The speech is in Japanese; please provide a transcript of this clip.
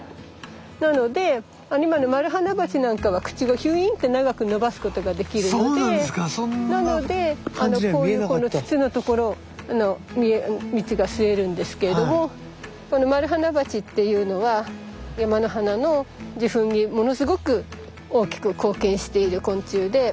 なので今のマルハナバチなんかは口をヒュイーンって長く伸ばすことができるのでなのでこういうこの筒のところの蜜が吸えるんですけれどもこのマルハナバチっていうのは山の花の受粉にものすごく大きく貢献している昆虫で。